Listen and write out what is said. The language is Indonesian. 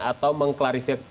atau mengklarifikasi pendingnya